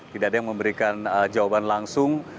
tidak ada yang memberikan jawaban langsung